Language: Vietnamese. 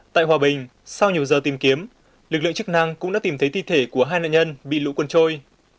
tại hòa bình sau nhiều giờ tìm kiếm lực lượng chức năng cũng đã tìm thấy thi thể của hai nạn nhân bị lũ quân trôi